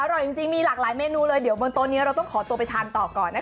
อร่อยจริงมีหลากหลายเมนูเลยเดี๋ยวบนโต๊ะนี้เราต้องขอตัวไปทานต่อก่อนนะคะ